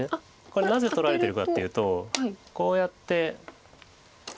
これなぜ取られてるかっていうとこうやって。